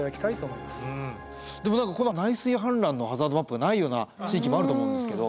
でも何かこの内水氾濫のハザードマップがないような地域もあると思うんですけど。